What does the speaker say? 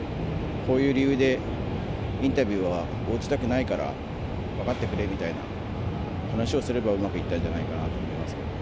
こういう理由でインタビューは応じたくないから分かってくれみたいな話をすればうまくいったんじゃないかなと思いますけど。